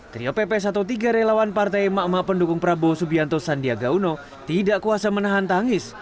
trio pepes atau tiga relawan partai emak emak pendukung prabowo subianto sandiaga uno tidak kuasa menahan tangis